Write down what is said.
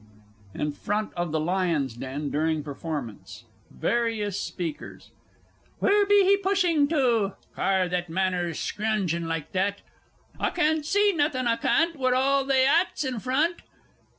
IN FRONT OF THE LIONS' DEN DURING PERFORMANCE. VARIOUS SPEAKERS. Wheer be pushin' to? Car that manners screouging like that!... I cann't see nawthen, I cann't wi' all they 'ats in front....